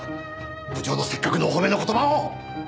部長のせっかくのお褒めの言葉を！